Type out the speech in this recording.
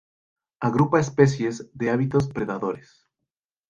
Agrupa especies de hábitos predadores.